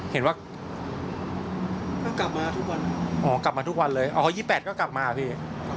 เห็นว่าเพิ่งกลับมาทุกวันอ๋อกลับมาทุกวันเลยอ๋อ๒๘ก็กลับมาพี่